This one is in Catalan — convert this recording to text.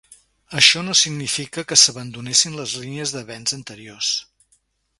Això no significa que s'abandonessin les línies d'avenç anteriors.